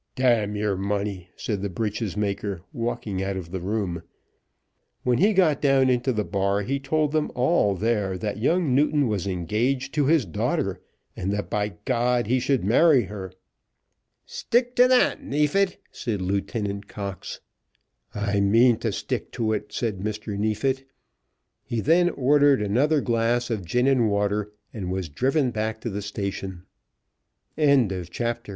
"Damn your money!" said the breeches maker, walking out of the room. When he got down into the bar he told them all there that young Newton was engaged to his daughter, and that, by G , he should marry her. "Stick to that, Neefit," said Lieutenant Cox. "I mean to stick to it," said Mr. Neefit. He then ordered another glass of gin and water, and was driven back to the station. CHAPTER XXXVII. "HE MUST MARRY HER."